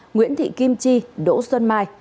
nguyễn thị kim chi đỗ xuân mai